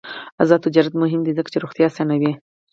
آزاد تجارت مهم دی ځکه چې روغتیا اسانوي.